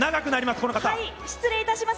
失礼いたします。